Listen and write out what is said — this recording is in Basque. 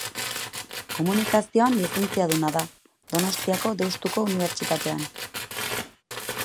Komunikazioan lizentziaduna da Donostiako Deustuko Unibertsitatean.